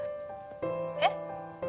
「えっ？」